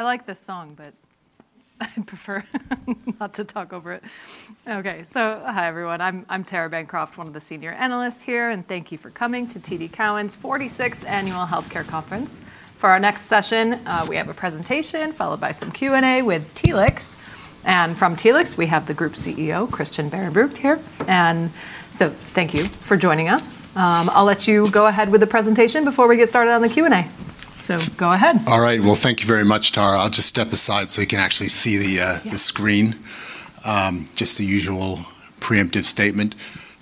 Wait. I like this song, but I'd prefer not to talk over it. Okay. Hi, everyone. I'm Tara Bancroft, one of the senior analysts here, and thank you for coming to TD Cowen's 46th Annual Healthcare Conference. For our next session, we have a presentation followed by some Q&A with Telix. From Telix, we have the Group CEO, Christian Behrenbruch here. Thank you for joining us. I'll let you go ahead with the presentation before we get started on the Q&A. Go ahead. All right. Well, thank you very much, Tara. I'll just step aside so you can actually see the. Yeah. The screen. Just the usual preemptive statement.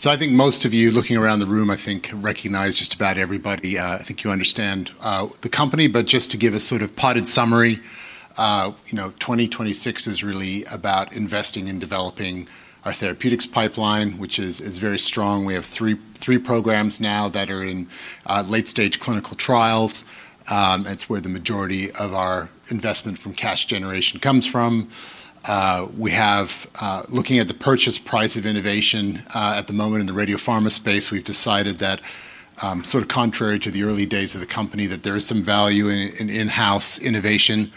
I think most of you looking around the room, I think, recognize just about everybody. I think you understand the company, but just to give a sort of potted summary, you know, 2026 is really about investing in developing our therapeutics pipeline, which is very strong. We have three programs now that are in late-stage clinical trials. That's where the majority of our investment from cash generation comes from. We have looking at the purchase price of innovation at the moment in the radiopharma space, we've decided that sort of contrary to the early days of the company, that there is some value in in-house innovation.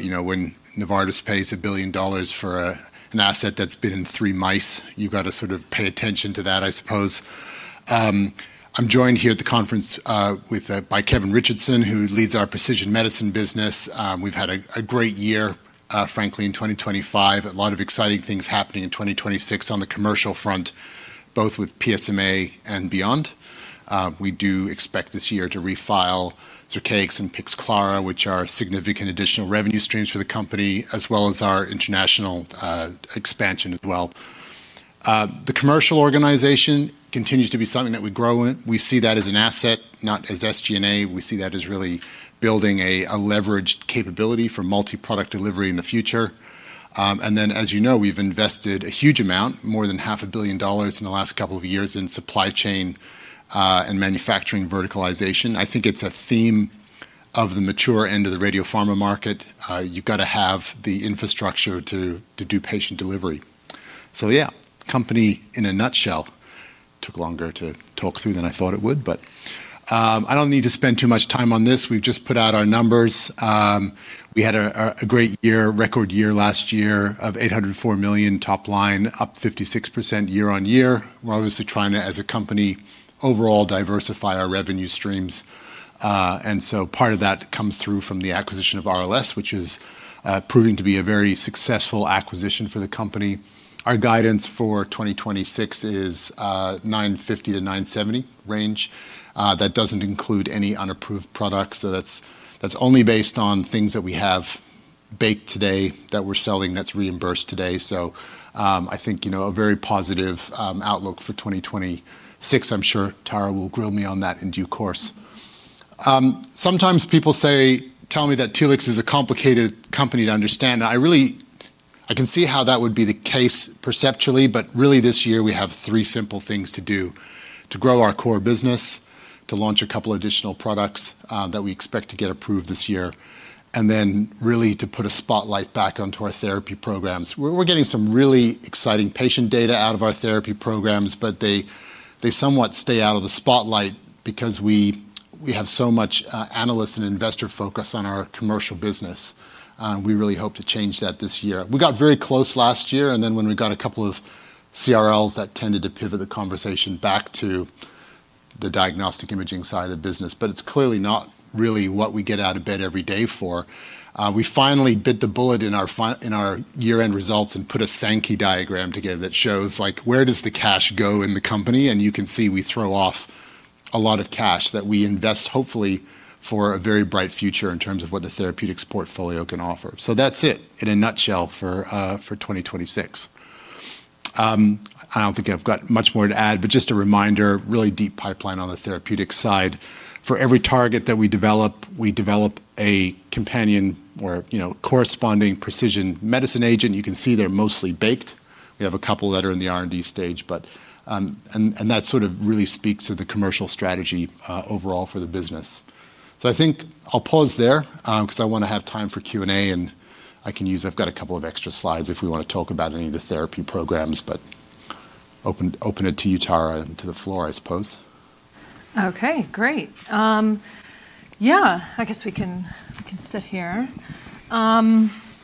You know, when Novartis pays $1 billion for an asset that's been in three mice, you've got to sort of pay attention to that, I suppose. I'm joined here at the conference by Kevin Richardson, who leads our precision medicine business. We've had a great year, frankly, in 2025. A lot of exciting things happening in 2026 on the commercial front, both with PSMA and beyond. We do expect this year to refile Zircaix and Pixclara, which are significant additional revenue streams for the company, as well as our international expansion as well. The commercial organization continues to be something that we grow in. We see that as an asset, not as SG&A. We see that as really building a leveraged capability for multi-product delivery in the future. As you know, we've invested a huge amount, more than half a billion dollars in the last couple of years in supply chain and manufacturing verticalization. I think it's a theme of the mature end of the radiopharma market. You've gotta have the infrastructure to do patient delivery. Yeah, company in a nutshell. Took longer to talk through than I thought it would, I don't need to spend too much time on this. We've just put out our numbers. We had a great year, record year last year of 804 million top line, up 56% year-on-year. We're obviously trying to, as a company, overall diversify our revenue streams. Part of that comes through from the acquisition of RLS, which is proving to be a very successful acquisition for the company. Our guidance for 2026 is $950-$970 range. That doesn't include any unapproved products. That's only based on things that we have baked today that we're selling that's reimbursed today. I think, you know, a very positive outlook for 2026. I'm sure Tara will grill me on that in due course. Sometimes people tell me that Telix is a complicated company to understand, and I really I can see how that would be the case perceptually, but really this year, we have three simple things to do: to grow our core business, to launch a couple additional products that we expect to get approved this year, and then really to put a spotlight back onto our therapy programs. We're getting some really exciting patient data out of our therapy programs, but they somewhat stay out of the spotlight because we have so much analyst and investor focus on our commercial business. We really hope to change that this year. We got very close last year, and then when we got a couple of CRLs, that tended to pivot the conversation back to the diagnostic imaging side of the business. It's clearly not really what we get out of bed every day for. We finally bit the bullet in our in our year-end results and put a Sankey diagram together that shows, like, where does the cash go in the company. You can see we throw off a lot of cash that we invest, hopefully for a very bright future in terms of what the therapeutics portfolio can offer. That's it in a nutshell for for 2026. I don't think I've got much more to add, just a reminder, really deep pipeline on the therapeutic side. For every target that we develop, we develop a companion or, you know, corresponding precision medicine agent. You can see they're mostly baked. We have a couple that are in the R&D stage. That sort of really speaks to the commercial strategy, overall for the business. I think I'll pause there, 'cause I wanna have time for Q&A, and I've got a couple of extra slides if we wanna talk about any of the therapy programs, but open it to you, Tara, and to the floor, I suppose. Okay, great. I guess we can sit here.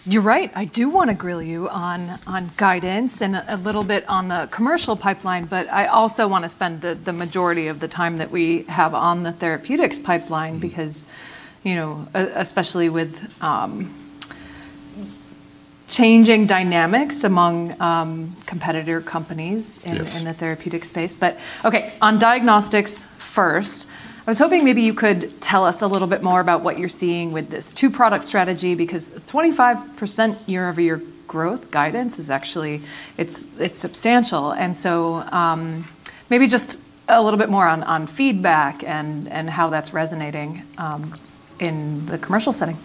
You're right, I do wanna grill you on guidance and a little bit on the commercial pipeline, but I also wanna spend the majority of the time that we have on the therapeutics pipeline. Mm-hmm. Because, you know, especially with, changing dynamics among, competitor companies. Yes. In the therapeutic space. Okay, on diagnostics first, I was hoping maybe you could tell us a little bit more about what you're seeing with this two-product strategy, because 25% year-over-year growth guidance is actually it's substantial. Maybe just a little bit more on feedback and how that's resonating in the commercial setting.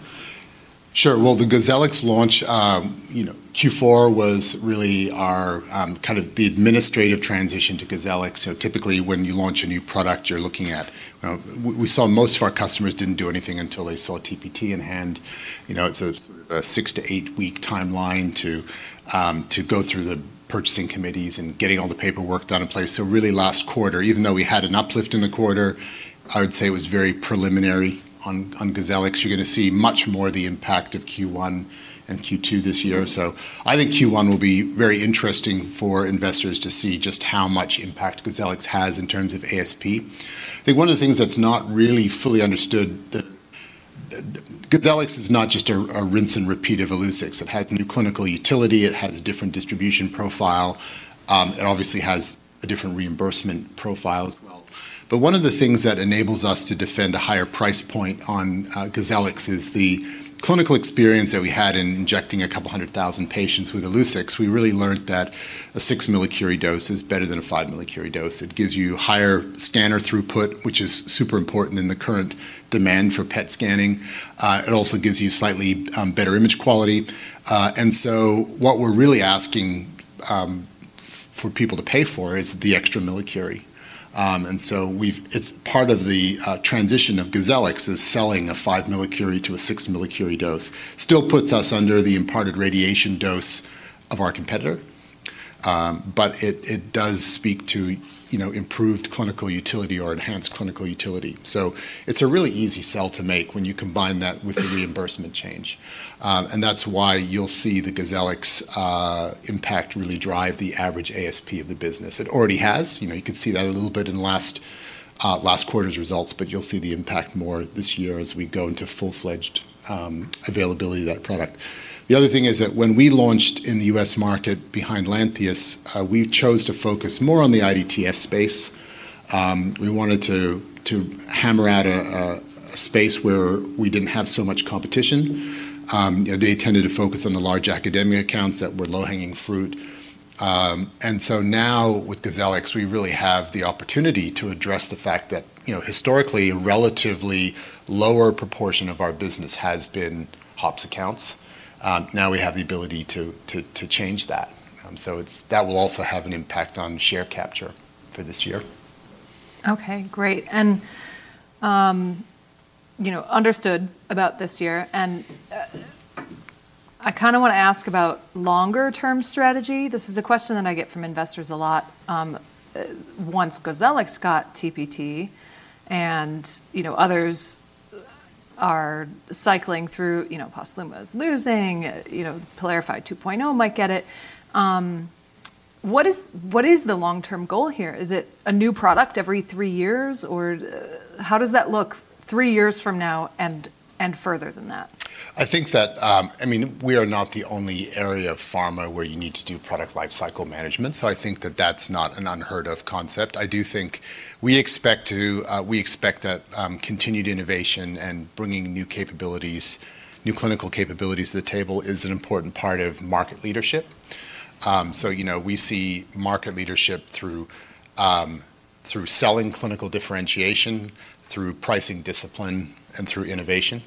Sure. The Gozellix launch, you know, Q4 was really our kind of the administrative transition to Gozellix. Typically, when you launch a new product, you're looking at, you know. We saw most of our customers didn't do anything until they saw TPT in hand. You know, it's a six to eight-week timeline to go through the purchasing committees and getting all the paperwork done in place. Really last quarter, even though we had an uplift in the quarter, I would say it was very preliminary on Gozellix. You're gonna see much more the impact of Q1 and Q2 this year. I think Q1 will be very interesting for investors to see just how much impact Gozellix has in terms of ASP. I think one of the things that's not really fully understood that Gozellix is not just a rinse and repeat of Illuccix. It has new clinical utility, it has different distribution profile. It obviously has a different reimbursement profile as well. One of the things that enables us to defend a higher price point on Gozellix is the clinical experience that we had in injecting 200,000 patients with Illuccix. We really learned that a six millicurie dose is better than a five millicurie dose. It gives you higher scanner throughput, which is super important in the current demand for PET scanning. It also gives you slightly better image quality. What we're really asking for people to pay for is the extra millicurie. It's part of the transition of Gozellix is selling a five millicurie to a six millicurie dose. Still puts us under the imparted radiation dose of our competitor, it does speak to, you know, improved clinical utility or enhanced clinical utility. It's a really easy sell to make when you combine that with the reimbursement change. That's why you'll see the Gozellix impact really drive the average ASP of the business. It already has. You know, you could see that a little bit in last last quarter's results, but you'll see the impact more this year as we go into full-fledged availability of that product. The other thing is that when we launched in the U.S. market behind Lantheus, we chose to focus more on the IDTF space. We wanted to hammer out a space where we didn't have so much competition. You know, they tended to focus on the large academia accounts that were low-hanging fruit. Now with Gozellix, we really have the opportunity to address the fact that, you know, historically, a relatively lower proportion of our business has been HOPS accounts. Now we have the ability to change that. That will also have an impact on share capture for this year. Okay, great. you know, understood about this year, I kinda wanna ask about longer term strategy. This is a question that I get from investors a lot. once Gozellix got TPT and, you know, others are cycling through, you know, POSLUMA is losing, you know, PYLARIFY 2.0 might get it. what is the long-term goal here? Is it a new product every three years? how does that look three years from now and further than that? I think that, I mean, we are not the only area of pharma where you need to do product lifecycle management, so I think that that's not an unheard-of concept. I do think we expect that continued innovation and bringing new capabilities, new clinical capabilities to the table is an important part of market leadership. You know, we see market leadership through selling clinical differentiation, through pricing discipline, and through innovation.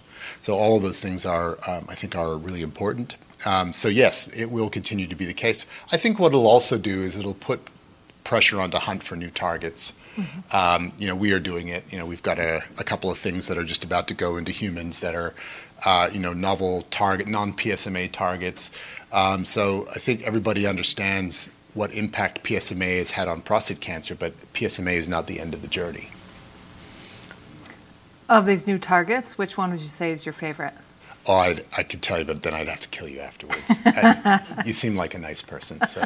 All of those things are, I think are really important. Yes, it will continue to be the case. I think what it'll also do is it'll put pressure on to hunt for new targets. Mm-hmm. You know, we are doing it. You know, we've got a couple of things that are just about to go into humans that are, you know, novel target, non-PSMA targets. I think everybody understands what impact PSMA has had on prostate cancer, but PSMA is not the end of the journey. Of these new targets, which one would you say is your favorite? I could tell you, but then I'd have to kill you afterwards. You seem like a nice person, so.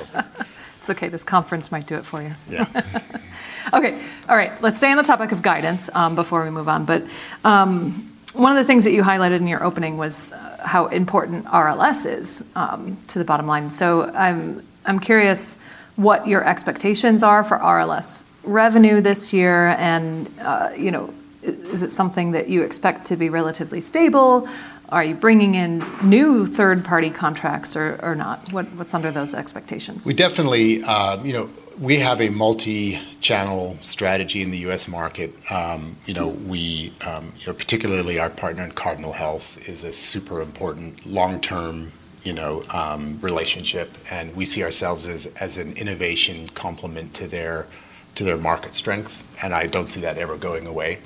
It's okay. This conference might do it for you. Yeah. Okay. All right. Let's stay on the topic of guidance, before we move on. One of the things that you highlighted in your opening was how important RLS is, to the bottom line. I'm curious what your expectations are for RLS revenue this year and, you know, is it something that you expect to be relatively stable? Are you bringing in new third-party contracts or not? What's under those expectations? We definitely, you know, we have a multi-channel strategy in the U.S. market. You know, we, you know, particularly our partner in Cardinal Health is a super important long-term, you know, relationship, and we see ourselves as an innovation complement to their market strength, and I don't see that ever going away.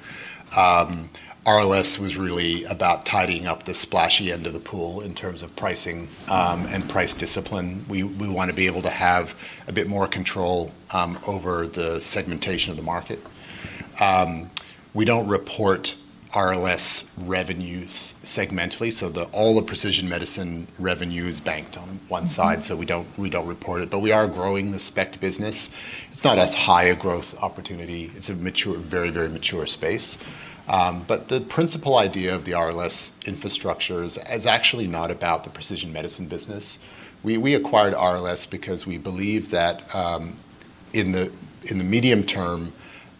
RLS was really about tidying up the splashy end of the pool in terms of pricing and price discipline. We wanna be able to have a bit more control over the segmentation of the market. We don't report RLS revenues segmentally, so all the precision medicine revenue is banked on one side, so we don't report it. We are growing the SPECT business. It's not as high a growth opportunity. It's a mature, very mature space. The principal idea of the RLS infrastructure is actually not about the precision medicine business. We acquired RLS because we believe that in the medium term,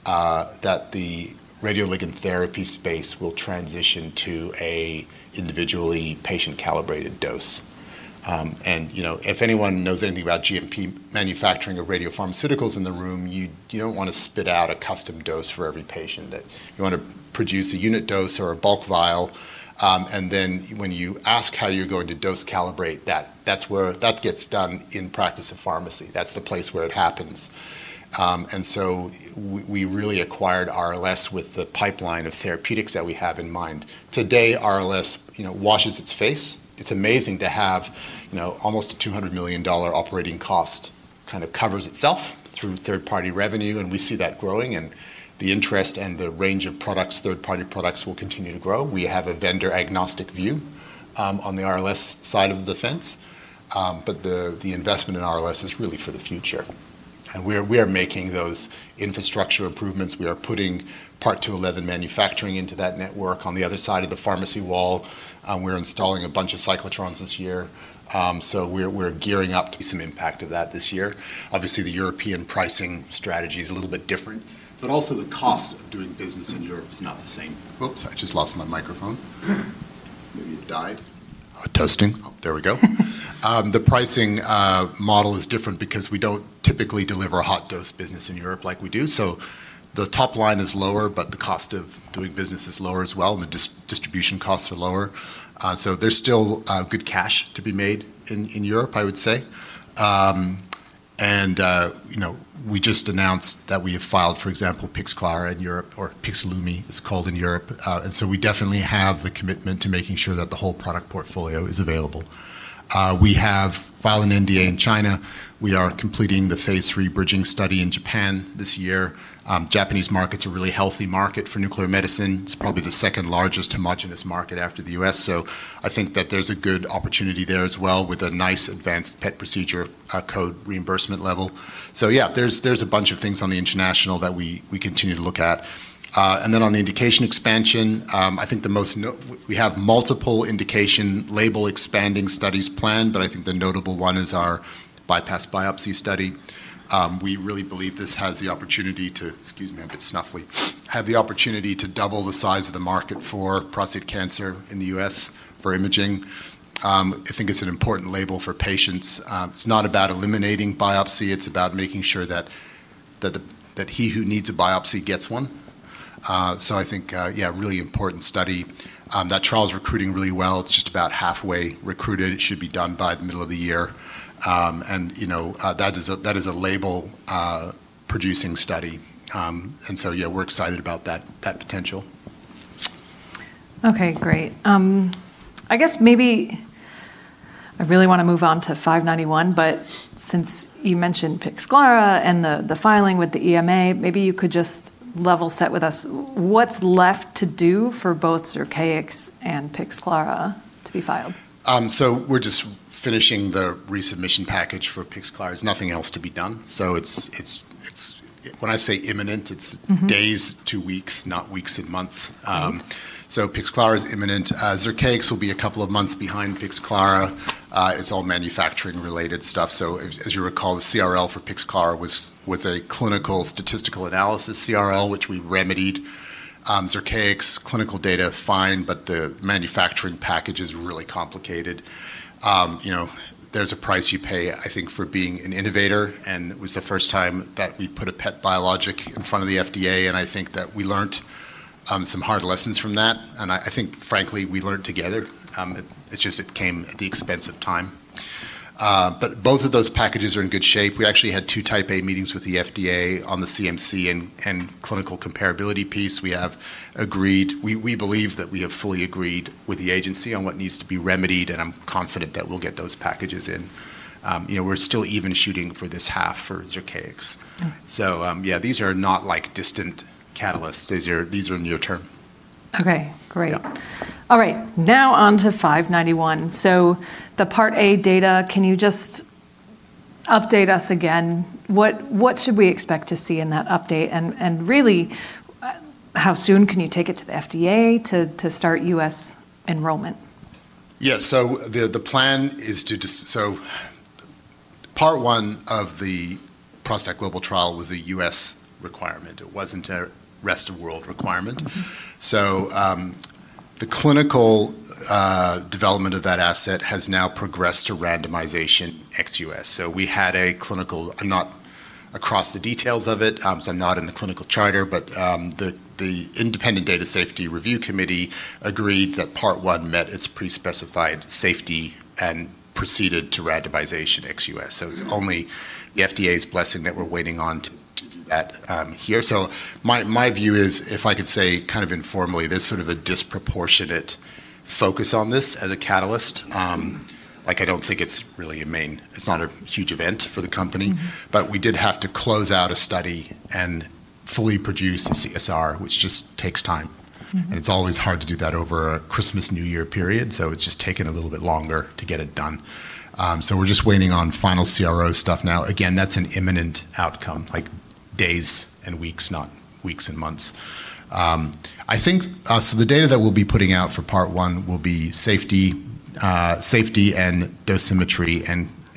that the radioligand therapy space will transition to a individually patient-calibrated dose. You know, if anyone knows anything about GMP manufacturing of radiopharmaceuticals in the room, you don't wanna spit out a custom dose for every patient. You wanna produce a unit dose or a bulk vial, and then when you ask how you're going to dose calibrate that's where that gets done in practice of pharmacy. That's the place where it happens. So we really acquired RLS with the pipeline of therapeutics that we have in mind. Today, RLS, you know, washes its face. It's amazing to have, you know, almost a $200 million operating cost kind of covers itself through third-party revenue. We see that growing and the interest and the range of products, third-party products, will continue to grow. We have a vendor-agnostic view on the RLS side of the fence, the investment in RLS is really for the future. We are making those infrastructure improvements. We are putting Part 211 manufacturing into that network on the other side of the pharmacy wall. We're installing a bunch of cyclotrons this year. We're gearing up to be some impact of that this year. Obviously, the European pricing strategy is a little bit different. Also the cost of doing business in Europe is not the same. Oops, I just lost my microphone. Maybe it died. Testing. There we go. The pricing model is different because we don't typically deliver hot dose business in Europe like we do. The top line is lower, but the cost of doing business is lower as well, and the distribution costs are lower. There's still good cash to be made in Europe, I would say. You know, we just announced that we have filed, for example, Pixclara in Europe, or Pixlumi, it's called in Europe. We definitely have the commitment to making sure that the whole product portfolio is available. We have filed an NDA in China. We are completing the phase III bridging study in Japan this year. Japanese market's a really healthy market for nuclear medicine. It's probably the second-largest homogenous market after the U.S. I think that there's a good opportunity there as well with a nice advanced PET procedure, code reimbursement level. There's a bunch of things on the international that we continue to look at. On the indication expansion, We have multiple indication label expanding studies planned, but I think the notable one is our Bypass Biopsy Study. We really believe Excuse me, I'm a bit snuffly. Have the opportunity to double the size of the market for prostate cancer in the U.S. for imaging. I think it's an important label for patients. It's not about eliminating biopsy, it's about making sure that he who needs a biopsy gets one. I think, yeah, really important study. That trial is recruiting really well. It's just about halfway recruited. It should be done by the middle of the year. You know, that is a label producing study. Yeah, we're excited about that potential. Okay, great. I guess maybe I really wanna move on to TLX591, but since you mentioned Pixclara and the filing with the EMA, maybe you could just level set with us what's left to do for both Zircaix and Pixclara to be filed. We're just finishing the resubmission package for Pixclara. There's nothing else to be done. It's When I say imminent. Mm-hmm. Days to weeks, not weeks and months. Pixclara is imminent. Zircaix will be two months behind Pixclara. It's all manufacturing related stuff. As you recall, the CRL for Pixclara was a clinical statistical analysis CRL, which we remedied. Zircaix, clinical data fine, the manufacturing package is really complicated. You know, there's a price you pay, I think, for being an innovator, it was the first time that we put a PET biologic in front of the FDA, I think that we learned some hard lessons from that. I think, frankly, we learned together. It just came at the expense of time. Both of those packages are in good shape. We actually had two Type A meetings with the FDA on the CMC and clinical comparability piece. We believe that we have fully agreed with the agency on what needs to be remedied, and I'm confident that we'll get those packages in. You know, we're still even shooting for this half for Zircaix. Mm-hmm. Yeah, these are not like distant catalysts. These are near-term. Okay, great. Yeah. All right. Now on to TLX591. The Part A data, can you just update us again? What should we expect to see in that update? Really, how soon can you take it to the FDA to start U.S. enrollment? Yeah. Part One of the ProstACT Global Trial was a U.S. requirement. It wasn't a rest of world requirement. Mm-hmm. The clinical development of that asset has now progressed to randomization ex-U.S. We had a clinical. I'm not across the details of it, so I'm not in the clinical charter, but the independent data safety review committee agreed that Part One met its pre-specified safety and proceeded to randomization ex-U.S. It's only the FDA's blessing that we're waiting on here. My view is, if I could say kind of informally, there's sort of a disproportionate focus on this as a catalyst. Like I don't think it's really a main. It's not a huge event for the company. Mm-hmm. We did have to close out a study and fully produce a CSR, which just takes time. Mm-hmm. It's always hard to do that over a Christmas, New Year period, so it's just taken a little bit longer to get it done. We're just waiting on final CRO stuff now. Again, that's an imminent outcome, like days and weeks, not weeks and months. I think the data that we'll be putting out for Part One will be safety and dosimetry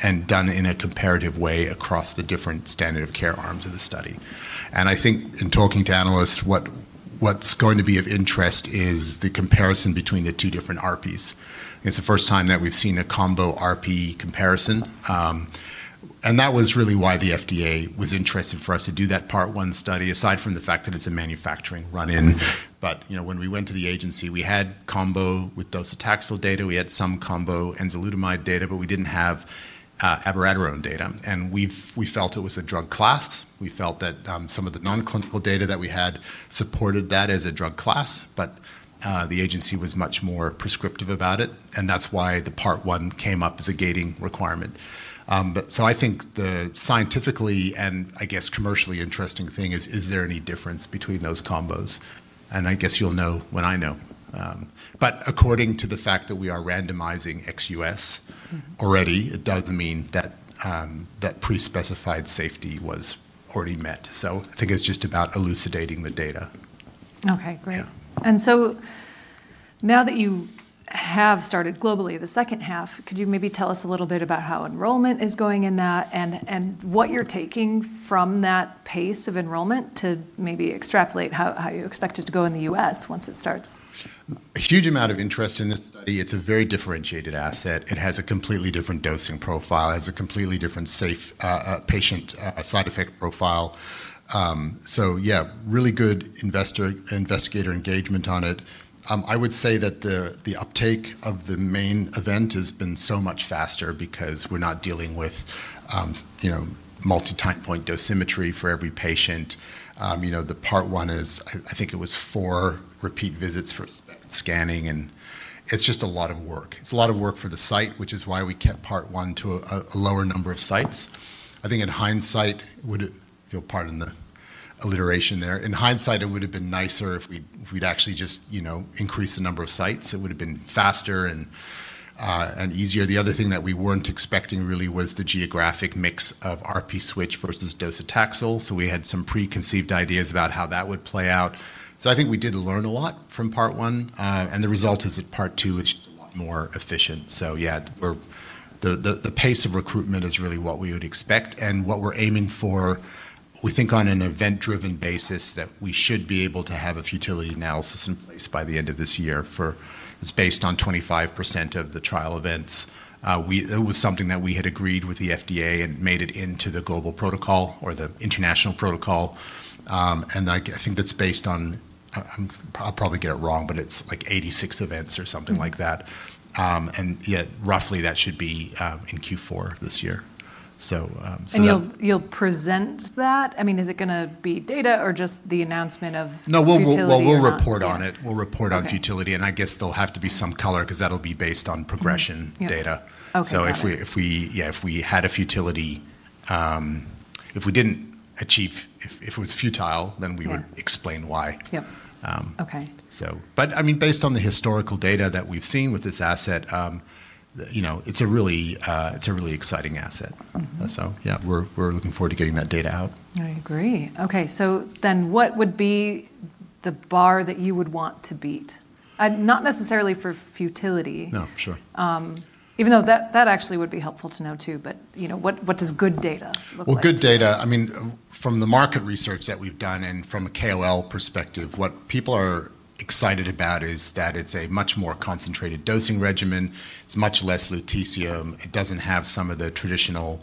and done in a comparative way across the different standard of care arms of the study. I think in talking to analysts, what's going to be of interest is the comparison between the two different RPs. It's the first time that we've seen a combo RP comparison. That was really why the FDA was interested for us to do that Part One study, aside from the fact that it's a manufacturing run-in. You know, when we went to the agency, we had combo with docetaxel data, we had some combo enzalutamide data, but we didn't have abiraterone data. We felt it was a drug class. We felt that some of the non-clinical data that we had supported that as a drug class. The agency was much more prescriptive about it, and that's why the Part One came up as a gating requirement. So I think the scientifically and I guess commercially interesting thing is there any difference between those combos? I guess you'll know when I know. According to the fact that we are randomizing ex-U.S.-. Mm-hmm. Already, it does mean that pre-specified safety was already met. I think it's just about elucidating the data. Okay, great. Yeah. Now that you have started globally the second half, could you maybe tell us a little bit about how enrollment is going in that and what you're taking from that pace of enrollment to maybe extrapolate how you expect it to go in the U.S. once it starts? A huge amount of interest in this study. It's a very differentiated asset. It has a completely different dosing profile. It has a completely different safe patient side effect profile. Yeah, really good investigator engagement on it. I would say that the uptake of the main event has been so much faster because we're not dealing with, you know, multi-time point dosimetry for every patient. You know, the part one is I think it was four repeat visits for scanning, and it's just a lot of work. It's a lot of work for the site, which is why we kept part one to a lower number of sites. I think in hindsight, if you'll pardon the alliteration there. In hindsight, it would've been nicer if we'd actually just, you know, increased the number of sites. It would've been faster and easier. The other thing that we weren't expecting really was the geographic mix of RP Switch versus docetaxel, so we had some preconceived ideas about how that would play out. I think we did learn a lot from part one, and the result is at part two, it's just a lot more efficient. Yeah, the pace of recruitment is really what we would expect and what we're aiming for, we think on an event-driven basis that we should be able to have a futility analysis in place by the end of this year. It's based on 25% of the trial events. It was something that we had agreed with the FDA and made it into the global protocol or the international protocol. I think that's based on, I'll probably get it wrong, but it's like 86 events or something like that. Mm-hmm. Yeah, roughly that should be in Q4 this year. Yeah. You'll present that? I mean, is it gonna be data or just the announcement of the futility or not? No. We'll report on it. Yeah. We'll report on futility. Okay. I guess there'll have to be some color 'cause that'll be based on progression data. Mm-hmm. Yep. Okay. Got it. If we, yeah, if we had a futility, if we didn't achieve, if it was futile, then. Yeah. Explain why. Yep. Um... Okay. I mean, based on the historical data that we've seen with this asset, you know, it's a really exciting asset. Mm-hmm. Yeah, we're looking forward to getting that data out. I agree. Okay. What would be the bar that you would want to beat? Not necessarily for futility. No, for sure. Even though that actually would be helpful to know too. You know, what does good data look like? Well, good data, I mean, from the market research that we've done and from a KOL perspective, what people are excited about is that it's a much more concentrated dosing regimen. It's much less lutetium. It doesn't have some of the traditional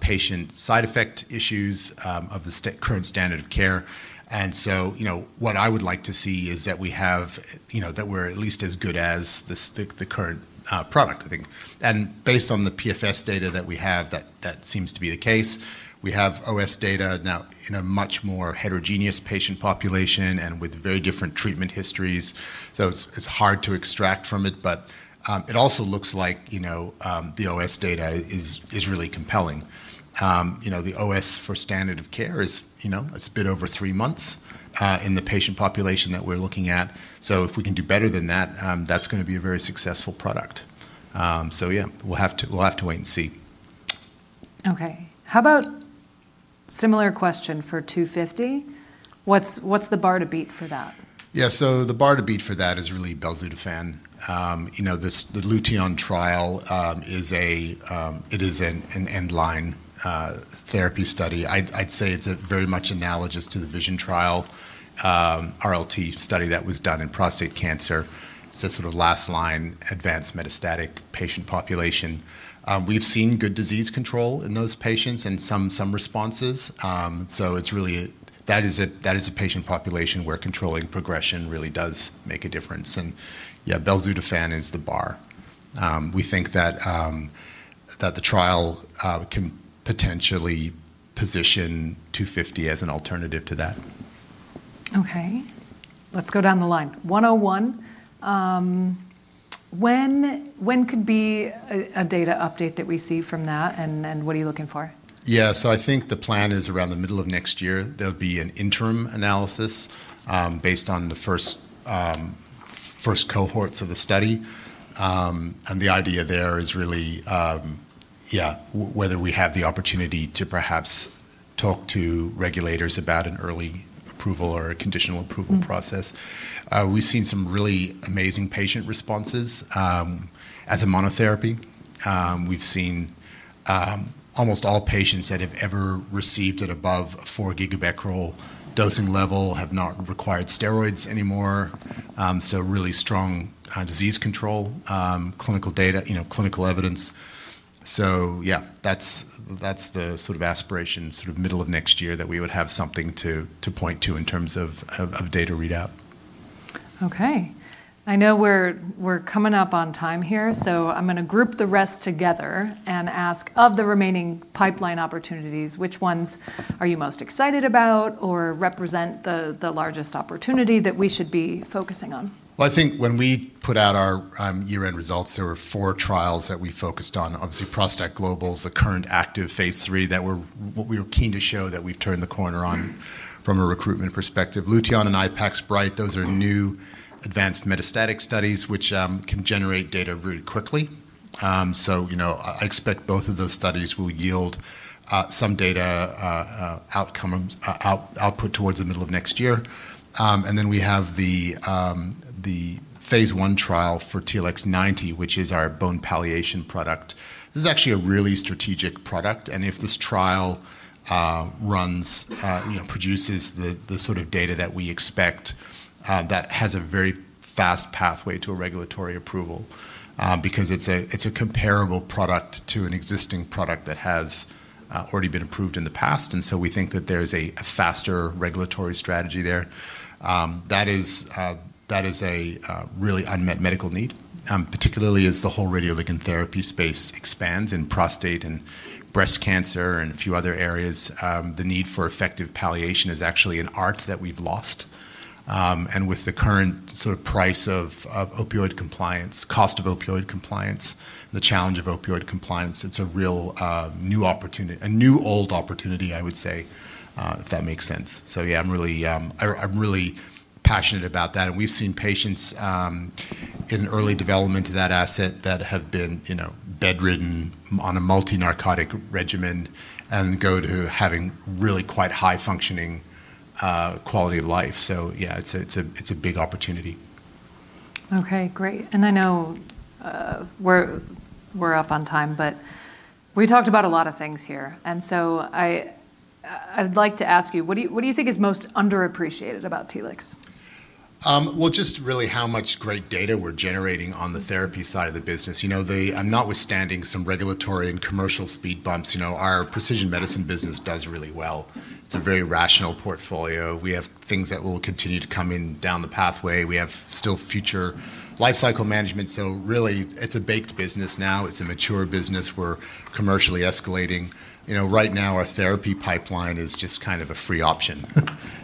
patient side effect issues of the current standard of care. You know, what I would like to see is that we have, you know, that we're at least as good as the current product, I think. Based on the PFS data that we have, that seems to be the case. We have OS data now in a much more heterogeneous patient population and with very different treatment histories, so it's hard to extract from it. It also looks like, you know, the OS data is really compelling. You know, the OS for standard of care is, you know, a bit over three months in the patient population that we're looking at. If we can do better than that's gonna be a very successful product. Yeah, we'll have to wait and see. Okay. How about similar question for TLX250? What's the bar to beat for that? The bar to beat for that is really belzutifan. you know, this, the LUTEON trial, it is an end line therapy study. I'd say it's very much analogous to the VISION trial RLT study that was done in prostate cancer. It's that sort of last line, advanced metastatic patient population. We've seen good disease control in those patients and responses. It's really. That is a, that is a patient population where controlling progression really does make a difference. Belzutifan is the bar. We think that the trial can potentially position two fifty as an alternative to that. Okay. Let's go down the line. TLX101, when could be a data update that we see from that, and what are you looking for? Yeah. I think the plan is around the middle of next year, there'll be an interim analysis, based on the first cohorts of the study. The idea there is really, yeah, whether we have the opportunity to perhaps talk to regulators about an early approval or a conditional approval process. Mm-hmm. We've seen some really amazing patient responses as a monotherapy. We've seen almost all patients that have ever received at above a four gigabecquerel dosing level have not required steroids anymore. Really strong disease control, clinical data, you know, clinical evidence. Yeah, that's the sort of aspiration, sort of middle of next year that we would have something to point to in terms of data readout. Okay. I know we're coming up on time here. Mm-hmm. I'm gonna group the rest together and ask, of the remaining pipeline opportunities, which ones are you most excited about or represent the largest opportunity that we should be focusing on? Well, I think when we put out our year-end results, there were four trials that we focused on. Obviously, ProstACT Global is a current active phase III that we are keen to show that we've turned the corner on from a recruitment perspective. LUTEON and IPAX-BrIGHT, those are new advanced metastatic studies which can generate data really quickly. You know, I expect both of those studies will yield some data outcome, output towards the middle of next year. Then we have the -I trial for TLX090, which is our bone palliation product. This is actually a really strategic product, and if this trial runs, you know, produces the sort of data that we expect, that has a very fast pathway to a regulatory approval, because it's a comparable product to an existing product that has already been approved in the past. We think that there's a faster regulatory strategy there. That is a really unmet medical need, particularly as the whole radioligand therapy space expands in prostate and breast cancer and a few other areas. The need for effective palliation is actually an art that we've lost. With the current sort of price of opioid compliance, cost of opioid compliance, and the challenge of opioid compliance, it's a real new opportunity, a new old opportunity, I would say, if that makes sense. Yeah, I'm really passionate about that. We've seen patients, in early development to that asset that have been, you know, bedridden on a multi-narcotic regimen and go to having really quite high functioning quality of life. Yeah, it's a, it's a, it's a big opportunity. Okay, great. I know, we're up on time, but we talked about a lot of things here. I'd like to ask you, what do you think is most underappreciated about Telix? Well, just really how much great data we're generating on the therapy side of the business. You know, notwithstanding some regulatory and commercial speed bumps, you know, our precision medicine business does really well. It's a very rational portfolio. We have things that will continue to come in down the pathway. We have still future life cycle management. Really, it's a baked business now. It's a mature business. We're commercially escalating. You know, right now our therapy pipeline is just kind of a free option.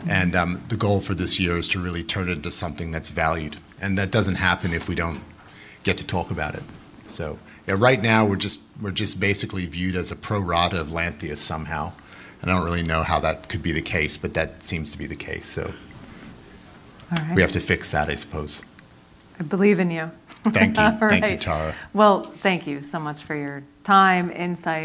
The goal for this year is to really turn it into something that's valued, and that doesn't happen if we don't get to talk about it. Yeah, right now we're just basically viewed as a pro rata of Lantheus somehow, I don't really know how that could be the case, that seems to be the case. All right. We have to fix that, I suppose. I believe in you. Thank you. All right. Thank you, Tara. Well, thank you so much for your time, insight.